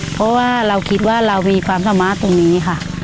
เพราะว่าเราคิดว่าเรามีความสามารถตรงนี้ค่ะ